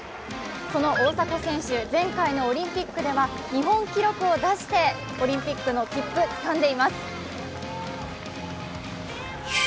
その大迫選手、前回のオリンピックでは日本記録を出してオリンピックの切符つかんでいます。